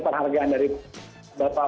penghargaan dari bapak